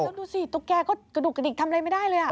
แล้วดูสิตุ๊กแกก็กระดูกกระดิกทำอะไรไม่ได้เลย